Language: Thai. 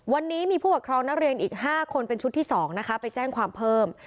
วันนี้มีผู้ปกครองนักเรียนอีก๕คนเป็นชุดที่๒นะคะไปแจ้งความเพิ่ม